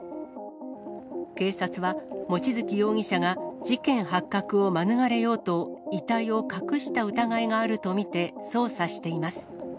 警察は、望月容疑者が事件発覚を免れようと、遺体を隠した疑いがあると見て、捜査しています。